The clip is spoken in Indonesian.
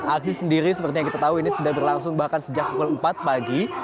aksi sendiri seperti yang kita tahu ini sudah berlangsung bahkan sejak pukul empat pagi